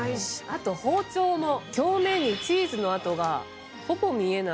あと包丁の表面にチーズの跡がほぼ見えない。